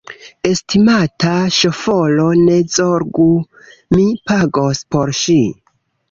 Estimata ŝoforo, ne zorgu, mi pagos por ŝi